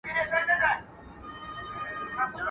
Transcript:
واده په ساز ښه ايسي، مړی په ژړا.